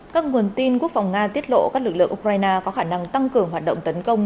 các nguồn tin quốc phòng nga tiết lộ các lực lượng ukraine có khả năng tăng cường hoạt động tấn công